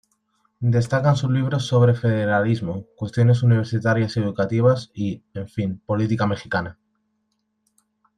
Destacan sus libros sobre Federalismo, cuestiones universitarias y educativas y, en fin, política mexicana.